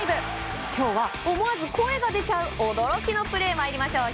今日は思わず声が出ちゃう驚きのプレー参りましょう。